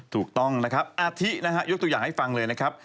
ถูกต้องนะครับอาทินะฮะยกตัวอย่างให้ฟังเลยนะครับ